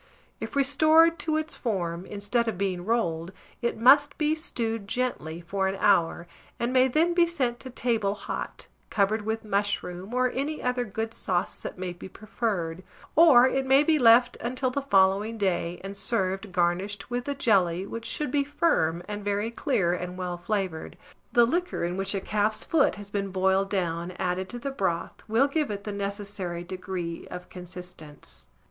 If restored to its form, instead of being rolled, it must be stewed gently for an hour, and may then be sent to table hot, covered with mushroom, or any other good sauce that may be preferred; or it may be left until the following day, and served garnished with the jelly, which should be firm, and very clear and well flavoured: the liquor in which a calf's foot has been boiled down, added to the broth, will give it the necessary degree of consistence.